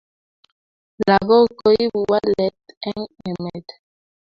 Lakok koipu walet eng emet